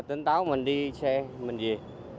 tỉnh táo mình đi xe mình về